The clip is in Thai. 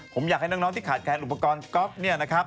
ผมอยากให้น้องที่ขาดขาดอุปกรณ์